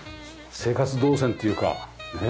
生活動線というかねえ。